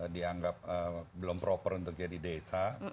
dianggap belum proper untuk jadi desa